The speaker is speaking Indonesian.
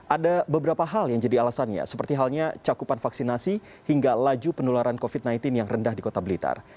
ada beberapa hal yang jadi alasannya seperti halnya cakupan vaksinasi hingga laju penularan covid sembilan belas yang rendah di kota blitar